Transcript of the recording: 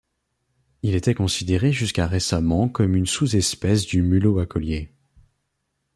Il était considéré jusqu'à récemment comme une sous-espèce du Mulot à collier.